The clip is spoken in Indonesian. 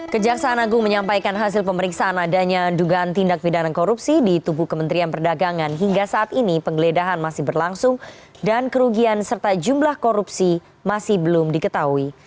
kejaksaan agung menyampaikan hasil pemeriksaan adanya dugaan tindak pidana korupsi di tubuh kementerian perdagangan hingga saat ini penggeledahan masih berlangsung dan kerugian serta jumlah korupsi masih belum diketahui